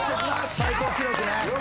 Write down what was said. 最高記録ね。